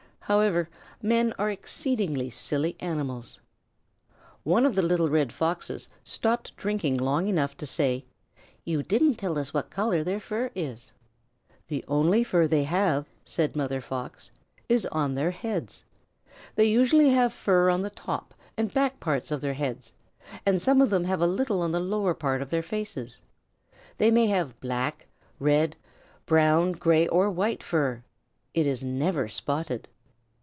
However, men are exceedingly silly animals." One of the little Red Foxes stopped drinking long enough to say, "You didn't tell us what color their fur is." "The only fur they have," said Mother Fox, "is on their heads. They usually have fur on the top and back parts of their heads, and some of them have a little on the lower part of their faces. They may have black, red, brown, gray, or white fur. It is never spotted."